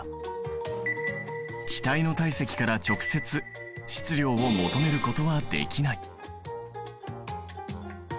気体の体積から直接質量を求めることはできない。